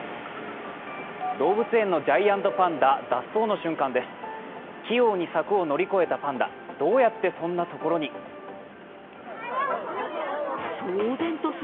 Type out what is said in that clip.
動物園のジャイアントパンダ、脱走の瞬間です。